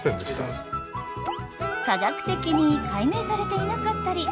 科学的に解明されていなかったり